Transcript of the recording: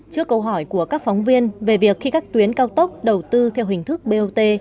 trước câu hỏi của các phóng viên về việc khi các tuyến cao tốc đầu tư theo hình thức bot